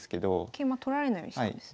桂馬取られないようにしたんですね。